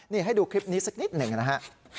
นี่ให้ดูคลิปนี้สักนิดหนึ่งนะฮะ